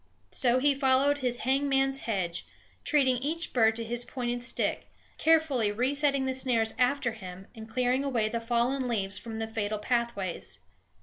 So he followed his hangman's hedge, treating each bird to his pointed stick, carefully resetting the snares after him and clearing away the fallen leaves from the fatal pathways.